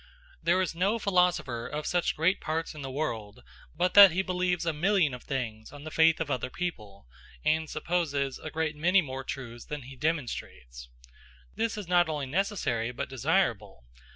There is no philosopher of such great parts in the world, but that he believes a million of things on the faith of other people, and supposes a great many more truths than he demonstrates. This is not only necessary but desirable.